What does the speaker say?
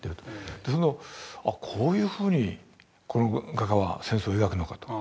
あこういうふうにこの画家は戦争を描くのかと。